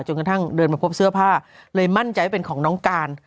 กระทั่งเดินมาพบเสื้อผ้าเลยมั่นใจว่าเป็นของน้องการ